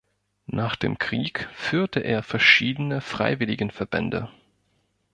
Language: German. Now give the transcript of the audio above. Nach dem Krieg führte er verschiedene Freiwilligenverbände.